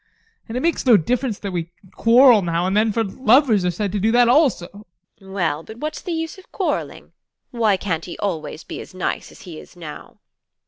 And it makes no difference that we quarrel now and then, for lovers are said to do that also. TEKLA. Well, but what's the use of quarrelling? Why can't he always be as nice as he is now?